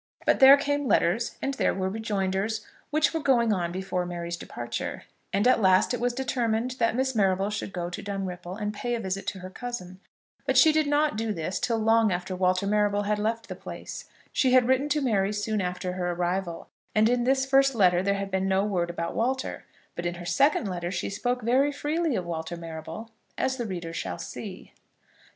But there came letters, and there were rejoinders, which were going on before Mary's departure, and at last it was determined that Miss Marrable should go to Dunripple, and pay a visit to her cousin. But she did not do this till long after Walter Marrable had left the place. She had written to Mary soon after her arrival, and in this first letter there had been no word about Walter; but in her second letter she spoke very freely of Walter Marrable, as the reader shall see.